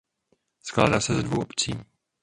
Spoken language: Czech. Skládal se ze dvou obcí.